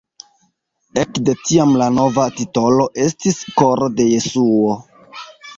Ekde tiam la nova titolo estis Koro de Jesuo.